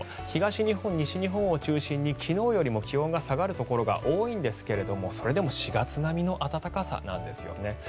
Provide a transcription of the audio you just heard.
東日本、西日本を中心に昨日よりも気温が下がるところが多いんですがそれでも４月並みの暖かさなんですよね。